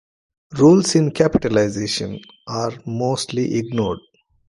Rules in capitalization are mostly ignored.